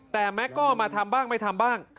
แต่แม็กซ์ก็มาทำบ้างไม่ทำบ้าง